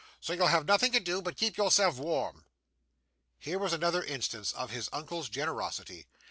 'So, you'll have nothing to do but keep yourself warm.' Here was another instance of his uncle's generosity!